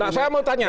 nah saya mau tanya